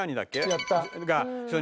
やった。